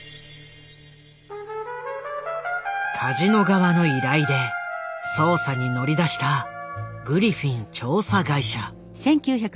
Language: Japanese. カジノ側の依頼で捜査に乗り出したグリフィン調査会社。